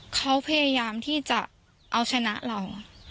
เขาพยายามที่จะเอาชนะเรา